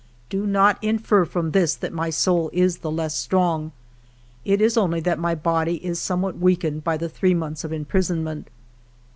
Do not infer from this that my soul is the less strong. It is only that my body is somewhat weakened by the three months of imprison ment.